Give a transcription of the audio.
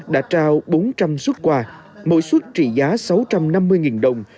đã trao bốn trăm linh xuất quà mỗi xuất trị giá sáu trăm năm mươi đồng